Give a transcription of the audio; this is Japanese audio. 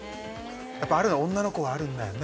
やっぱ女の子はあるんだよね